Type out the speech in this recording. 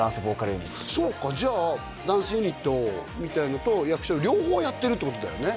ユニットそうかじゃあダンスユニットみたいのと役者両方やってるってことだよね？